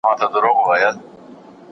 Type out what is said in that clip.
خلک حیران دي ورک ترې حساب دی